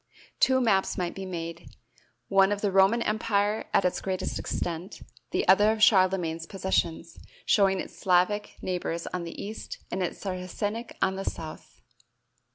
Two maps might be made, one of the Roman empire at its greatest extent, the other of Charlemagne's possessions, showing its Slavic neighbors on the east and its Saracenic on the south.